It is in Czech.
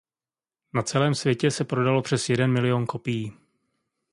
Na celém světě se prodalo přes jeden milión kopií.